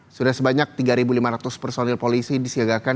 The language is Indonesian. sudah sebanyak tiga lima ratus personil polisi disiagakan